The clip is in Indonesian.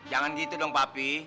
jangan gitu dong papi